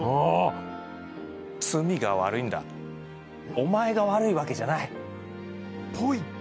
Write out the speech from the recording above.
お前が悪いわけじゃない。